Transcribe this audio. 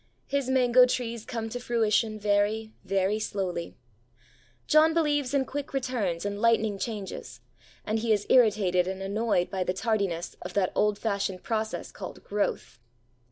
His mango trees come to fruition very, very slowly. John believes in quick returns and lightning changes; and he is irritated and annoyed by the tardiness of that old fashioned process called growth.